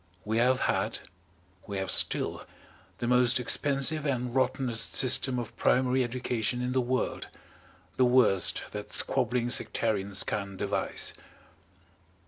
We have had we have still the most expensive and rottenest system of primary education in the world, the worst that squabbling sectarians can devise.